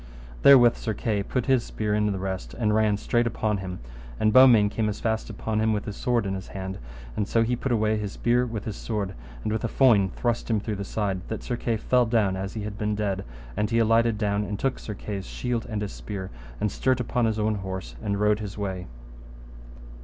Therewith Sir Kay put his spear in the rest, and ran straight upon him; and Beaumains came as fast upon him with his sword in his hand, and so he put away his spear with his sword, and with a foin thrust him through the side, that Sir Kay fell down as he had been dead; and he alighted down and took Sir Kay's shield and his spear, and stert upon his own horse and rode his way.